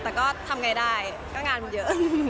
แต่ก็ทำไงได้ก็งานมันเยอะ